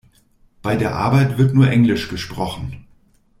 Bei der Arbeit wird nur Englisch gesprochen.